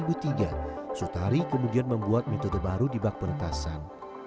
penyu penyu di tempat yang terkenal di desa gedangan